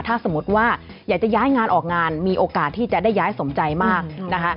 ถ้าสมมติว่าอยากจะย้ายงานออกงานมีโอกาสที่จะได้ย้ายสมใจมากนะคะ